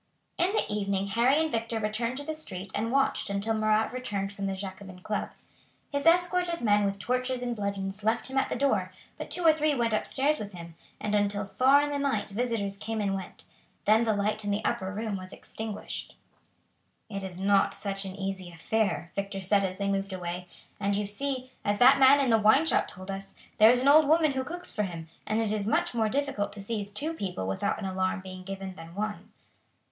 In the evening Harry and Victor returned to the street and watched until Marat returned from the Jacobin Club. His escort of men with torches and bludgeons left him at the door, but two or three went upstairs with him, and until far in the night visitors came and went. Then the light in the upper room was extinguished. "It is not such an easy affair," Victor said as they moved away; "and you see, as that man in the wine shop told us, there is an old woman who cooks for him, and it is much more difficult to seize two people without an alarm being given than one."